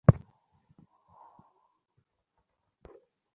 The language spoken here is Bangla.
এ ব্যাপারে বর্তমানে গণমাধ্যম অনেক সোচ্চার বলে ঘটনাগুলো বেশি আলোচিত হচ্ছে।